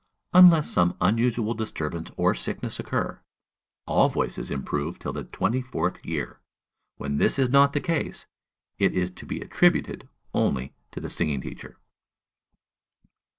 _ Unless some unusual disturbance or sickness occur, all voices improve till the twenty fourth year. When this is not the case, it is to be attributed only to the singing teacher.